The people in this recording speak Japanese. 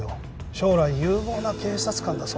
将来有望な警察官だそうだね。